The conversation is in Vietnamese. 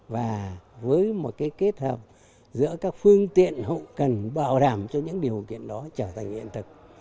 và với một kết hợp giữa các phương tiện hậu cần bảo đảm cho những điều kiện đó trở thành hiện thực